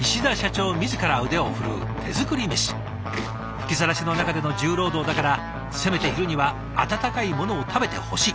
吹きさらしの中での重労働だからせめて昼には温かいものを食べてほしい。